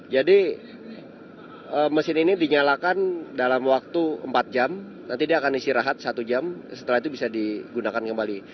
jadi mesin ini dinyalakan dalam waktu empat jam nanti dia akan isi rahat satu jam setelah itu bisa digunakan kembali